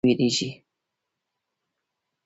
دوی د دیکتاتورۍ له ځپلو او زندان څخه ډیر ویریږي.